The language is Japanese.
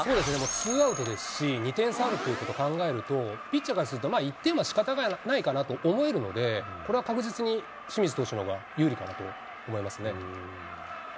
ツーアウトですし、２点差あるということを考えると、ピッチャーからすると、まあ１点はしかたがないかなと思えるので、これは確実に清水投手初球。